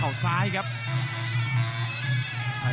และอัพพิวัตรสอสมนึก